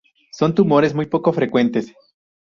Son tumores muy poco frecuentes.